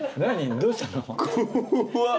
どうしたの？